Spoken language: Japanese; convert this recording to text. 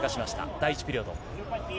第１ピリオド。